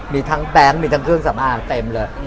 มีทั้งแบงค์มีทั้งเครื่องสำอางเต็มเลย